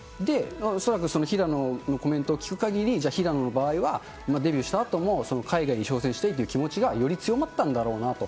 恐らく平野のコメントを聞くかぎり、じゃあ平野の場合は、デビューしたあとも海外に挑戦したいという気持ちがより強まったんだろうなと。